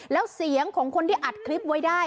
แล้วเสียงของคนที่อัดคลิปไว้ได้